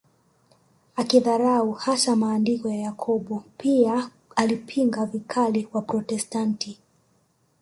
Akidharau hasa maandiko ya Yakobo pia alipinga vikali Waprotestant